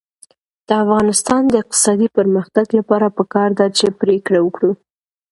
د افغانستان د اقتصادي پرمختګ لپاره پکار ده چې پرېکړه وکړو.